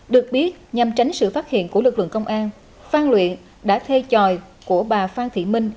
được biết nhằm tránh sự phát hiện của lực lượng công an phan luyện đã thuê tròi của bà phan thị minh